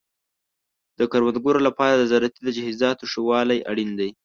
د کروندګرو لپاره د زراعتي تجهیزاتو ښه والی اړین دی.